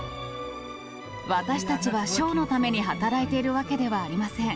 私たちは賞のために働いているわけではありません。